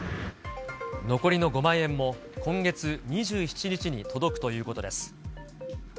残りの５万円も今月２７日に届くということです。